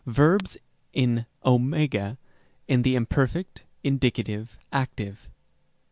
Verbs in ὦ, in the imperfect, indicative, active.